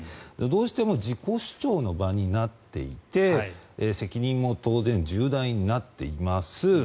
どうしても自己主張の場になっていて責任も当然重大になっています。